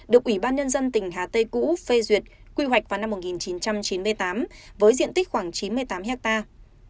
được phê duyệt vào năm một nghìn chín trăm chín mươi tám với diện tích khoảng chín mươi tám hectare